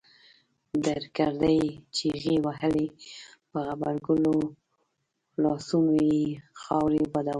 درګرده يې چيغې وهلې په غبرګو لاسونو يې خاورې بادولې.